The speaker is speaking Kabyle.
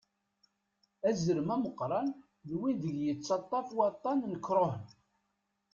Aẓrem ameqṛan d win deg yettaṭṭaf waṭan n Krhon.